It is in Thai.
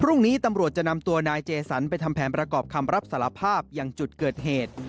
พรุ่งนี้ตำรวจจะนำตัวนายเจสันไปทำแผนประกอบคำรับสารภาพอย่างจุดเกิดเหตุ